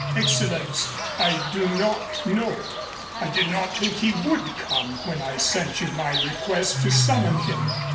"Excellenz, I do not know. I did not think he would come when I sent you my request to summon him.